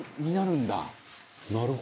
「なるほど」